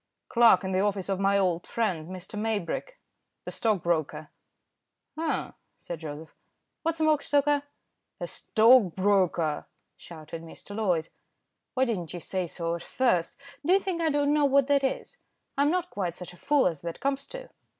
"Clerk in the office of my old friend, Mr. Maybrick, the stockbroker." "Eh!" said Joseph. "What's a mockstoker?" "A stockbroker," shouted Mr. Loyd. "Why didn't you say so at first. Do you think I don't know what that is? I'm not quite such a fool as that comes to."